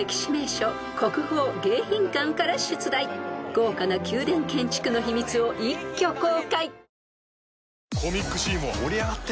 ［豪華な宮殿建築の秘密を一挙公開］